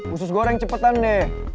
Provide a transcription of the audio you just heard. usus goreng cepetan deh